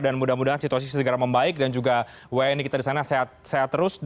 dan mudah mudahan situasi segera membaik dan juga wni kita di sana sehat terus